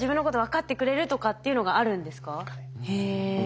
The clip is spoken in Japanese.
へえ。